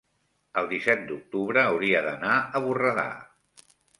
el disset d'octubre hauria d'anar a Borredà.